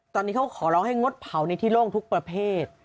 ตอนนี้เขาขอร้องให้งดเผาในที่โล่งทุกประเภท